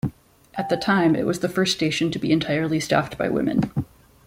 At the time, it was the first station to be entirely staffed by women.